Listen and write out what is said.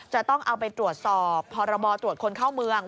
จะต้องเอาไปตรวจสอบพรบตรวจคนเข้าเมือง